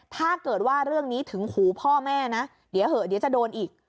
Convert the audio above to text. ถ้าเกิดว่าเรื่องนี้ถึงหูพ่อแม่นะเดี๋ยวเหอะเดี๋ยวจะโดนอีก